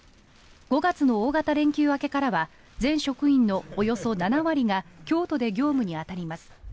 ５月の大型連休明けからは全職員のおよそ７割が京都で業務に当たります。